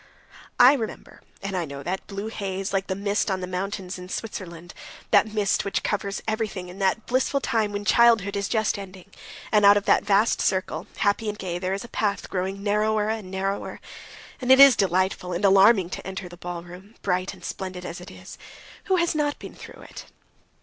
"I remember, and I know that blue haze like the mist on the mountains in Switzerland. That mist which covers everything in that blissful time when childhood is just ending, and out of that vast circle, happy and gay, there is a path growing narrower and narrower, and it is delightful and alarming to enter the ballroom, bright and splendid as it is.... Who has not been through it?"